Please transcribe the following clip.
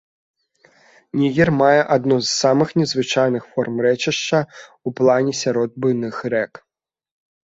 Нігер мае адну з самых незвычайных форм рэчышча ў плане сярод буйных рэк.